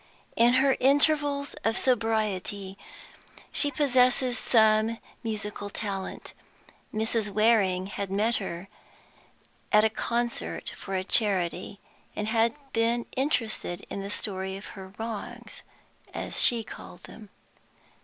In her intervals of sobriety she possesses some musical talent; Mrs. Waring had met with her at a concert for a charity, and had been interested in the story of her wrongs, as she called them.